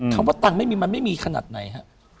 คำว่าตังค์ไม่มีมันไม่มีขนาดไหนฮะ